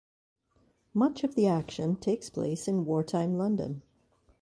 Much of the action takes place in wartime London.